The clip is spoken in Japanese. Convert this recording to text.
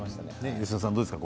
吉田さん、どうですか？